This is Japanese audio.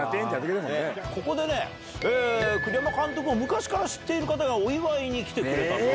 ここで栗山監督を昔から知っている方がお祝いに来てくれたと。